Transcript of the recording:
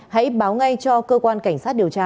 hãy báo ngay cho cơ quan cảnh sát điều tra